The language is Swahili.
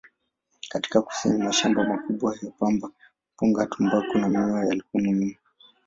Katika kusini, mashamba makubwa ya pamba, mpunga, tumbaku na miwa yalikuwa muhimu.